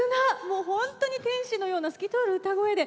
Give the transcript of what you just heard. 本当に天使のような透き通る歌声で。